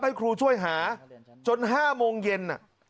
ผู้ช่วยหาจน๕โมงเย็น